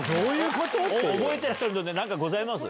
覚えてらっしゃるので何かございます？